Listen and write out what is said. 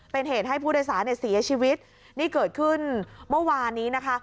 เป็นเหตุให้ผู้โดยสารเนี่ยเสียชีวิตนี่เกิดขึ้นเมื่อวานนี้นะคะ